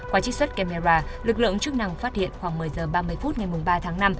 qua trích xuất camera lực lượng chức năng phát hiện khoảng một mươi h ba mươi phút ngày ba tháng năm